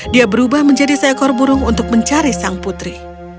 dia berubah menjadi seekor burung untuk mencari sang putri